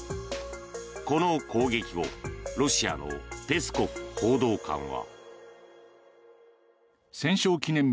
この攻撃後ロシアのペスコフ報道官は。